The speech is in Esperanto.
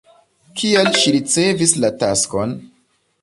Kial ŝi ricevis la taskon?